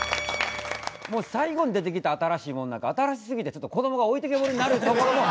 もう最後に出てきた新しいものなんか新しすぎてちょっとこどもが置いてきぼりになるところも。